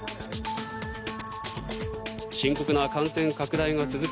深刻な感染拡大が続く